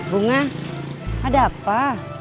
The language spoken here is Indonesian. bunga ada apa